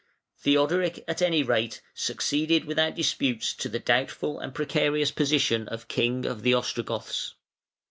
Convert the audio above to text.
Theodoric, at any rate, succeeded without disputes to the doubtful and precarious position of king of the Ostrogoths.